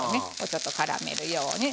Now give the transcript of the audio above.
ちょっとからめるように。